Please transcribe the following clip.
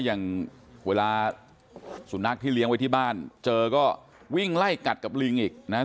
อย่างเวลาสุนัขที่เลี้ยงไว้ที่บ้านเจอก็วิ่งไล่กัดกับลิงอีกนะครับ